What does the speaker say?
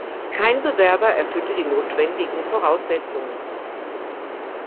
Kein Bewerber erfüllte die notwendigen Voraussetzungen.